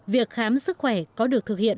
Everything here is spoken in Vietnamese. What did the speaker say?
việc khám sức khỏe có được thực hiện